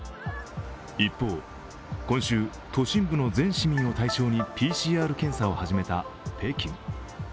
一方、今週、都市部の全市民を対象にＰＣＲ検査を始めた北京。